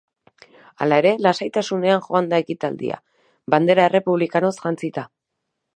Hala ere, lasaitasunean joan da ekitaldia, bandera errepublikanoz jantzita.